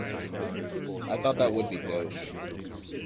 I thought that would be gauche.